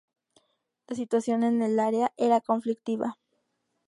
La situación en el área era conflictiva.